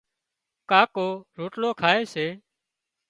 ڪاڪو روٽلو کائي سي